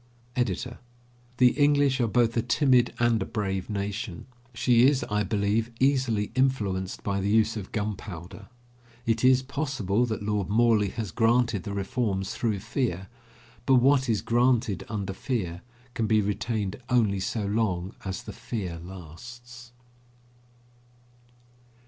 EDITOR: The English are both a timid and a brave nation. She is, I believe, easily influenced by the use of gunpowder. It is possible that Lord Morley has granted the reforms through fear, but what is granted under fear can be retained only so long as the fear lasts.